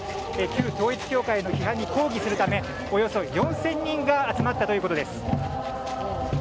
旧統一教会への批判に抗議するためおよそ４０００人が集まったということです。